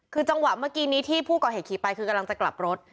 คือจังหวะเมื่อกี้นี้ที่ผู้ก่อเหตุขี่ไปคือกำลังจะกลับรถ